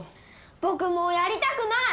僕もうやりたくない！